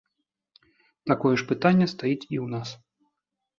Такое ж пытанне стаіць і ў нас.